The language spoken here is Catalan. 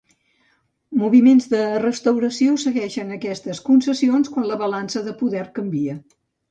Moviments de restauració segueixen aquestes concessions, quan la balança de poder canvia.